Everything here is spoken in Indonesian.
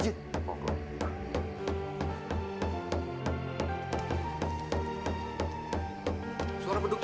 tapi kalau ini harus memiliki ke flamingan